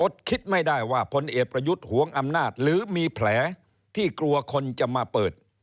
คิดไม่ได้ว่าพลเอกประยุทธ์หวงอำนาจหรือมีแผลที่กลัวคนจะมาเปิด